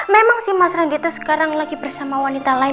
memang si mas randy itu sekarang lagi bersama wanita lain